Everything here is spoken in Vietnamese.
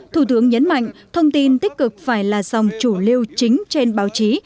thủ tướng nhấn mạnh thông tin tích cực phải là dòng chủ liêu chính trên báo chí